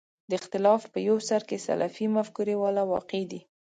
د اختلاف په یو سر کې سلفي مفکورې والا واقع دي.